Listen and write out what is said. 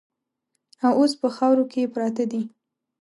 او اوس په خاورو کې پراته دي.